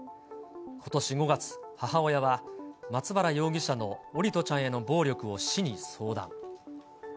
ことし５月、母親は、松原容疑者の桜利斗ちゃんへの暴力を市に相談。